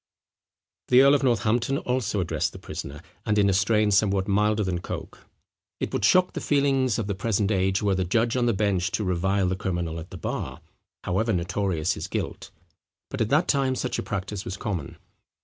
The earl of Northampton also addressed the prisoner, and in a strain somewhat milder than Coke. It would shock the feelings of the present age were the judge on the bench to revile the criminal at the bar, however notorious his guilt; but at that time such a practice was common.